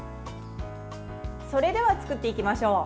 それでは、作っていきましょう。